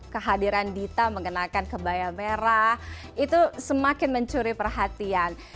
kehadiran dita mengenakan kebaya merah itu semakin mencuri perhatian